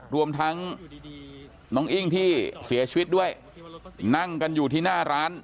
รวมทั้งน้องอิ้งที่เสียชีวิตด้วยนั่งกันอยู่ที่หน้าร้าน